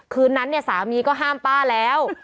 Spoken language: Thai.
คืนนั้นเนี่ยสามีก็ห้ามป้าแล้ว